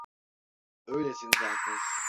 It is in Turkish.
Öylesin zaten.